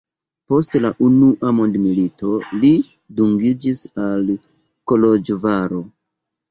Post la unua mondmilito li dungiĝis al Koloĵvaro.